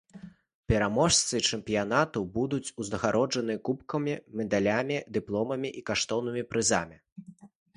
Пераможцы чэмпіянату будуць узнагароджаныя кубкамі, медалямі, дыпломамі і каштоўнымі прызамі.